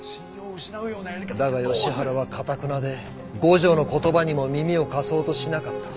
だが吉原はかたくなで五条の言葉にも耳を貸そうとしなかった。